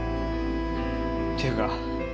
っていうか